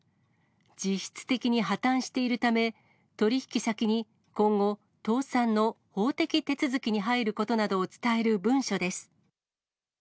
実質的に破綻しているため、取り引き先に今後、倒産の法的手続きに入ることなどを伝える文書です。